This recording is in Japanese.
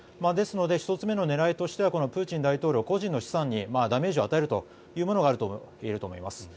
ですので１つ目の狙いとしてはプーチン大統領個人の資産にダメージを与えるというものがあるといえると思います。